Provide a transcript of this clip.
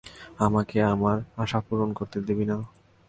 আমাকে আমার আশা পূরন করতে দিবি না?